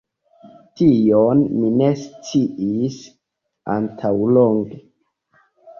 Tion mi ne sciis antaŭlonge